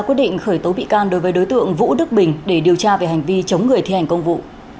quyết định khởi tố bị can đối với đối tượng vũ đức bình để điều tra về hành vi chống người thi hành công vụ